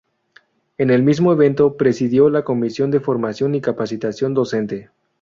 En el mismo evento, presidió la Comisión de Formación y Capacitación Docente.